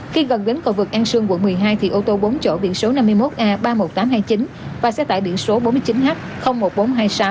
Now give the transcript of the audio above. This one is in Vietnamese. khi gần bến cầu vực an sương quận một mươi hai thì ô tô bốn chỗ biển số năm mươi một a ba mươi một nghìn tám trăm hai mươi chín và xe tải biển số bốn mươi chín h một nghìn bốn trăm hai mươi sáu